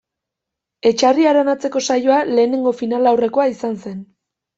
Etxarri Aranatzeko saioa lehenengo finalaurrekoa izan zen.